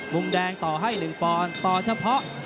มุมแดงต่อให้๑ปอนด์ต่อเฉพาะ